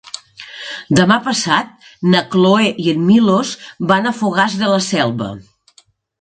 Demà passat na Cloè i en Milos van a Fogars de la Selva.